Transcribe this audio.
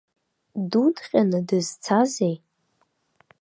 Дудҟьаны дызцазеи?